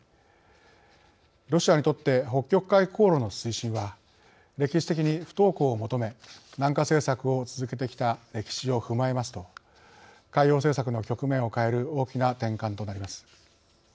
ロシアにとって北極海航路の推進は歴史的に不凍港を求め南下政策を続けてきた歴史を踏まえますと海洋政策の局面を変える大きな転換となります。